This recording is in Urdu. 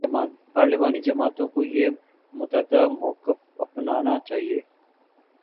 پارلیمانی جماعتوں کو یہ متحدہ موقف اپنانا چاہیے۔